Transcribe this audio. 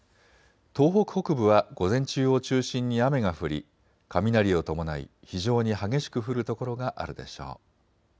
東北北部は午前中を中心に雨が降り雷を伴い非常に激しく降る所があるでしょう。